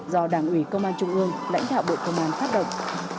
do đảng ủy công an trung ương lãnh đạo bộ công an phát động